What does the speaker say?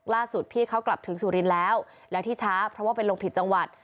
พี่เขากลับถึงสุรินทร์แล้วแล้วที่ช้าเพราะว่าไปลงผิดจังหวัด